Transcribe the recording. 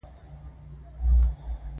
د مایا یو شمېر ښارونه ډېر ستر وو.